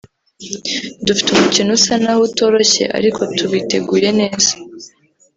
Dufite umukino usa naho utoroshye ariko tuwiteguye neza